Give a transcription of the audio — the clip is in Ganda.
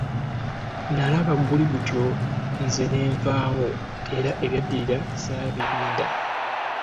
Nalaba guli gutyo, nze nenvaawo era ebyaddirira, saabirinda.